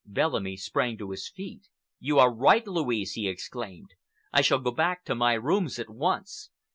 Bellamy sprang to his feet. "You are right, Louise!" he exclaimed. "I shall go back to my rooms at once.